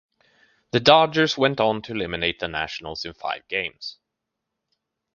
The Dodgers went on to eliminate the Nationals in five games.